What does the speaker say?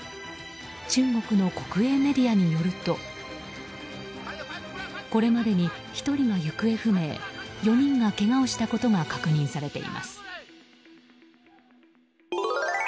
中国の国営メディアによるとこれまでに１人が行方不明４人がけがをしたことが確認されています。